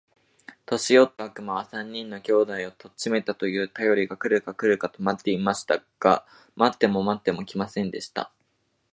年よった悪魔は、三人の兄弟を取っちめたと言うたよりが来るか来るかと待っていました。が待っても待っても来ませんでした。